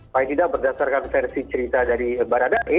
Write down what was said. baik tidak berdasarkan versi cerita dari barada e